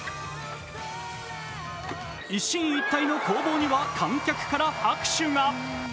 一進一退の攻防には観客から拍手が。